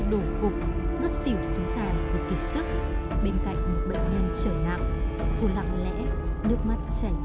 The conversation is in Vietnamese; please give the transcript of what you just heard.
đổ gục ngất xỉu xuống sàn với kỳ sức bên cạnh một bệnh nhân trở nặng cô lặng lẽ nước mắt chảy